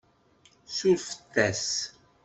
Surfet-as.